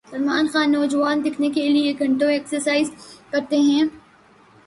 سلمان خان نوجوان دکھنے کیلئے گھنٹوں ایکسرسائز کرتے ہیں